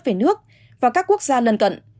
về nước và các quốc gia lần cận